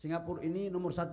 singapura ini nomor satu